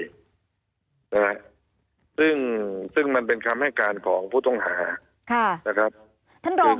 นะฮะซึ่งซึ่งมันเป็นคำให้การของผู้ต้องหาค่ะนะครับท่านรอง